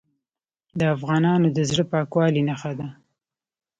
د افغانانو د زړه پاکوالي نښه ده.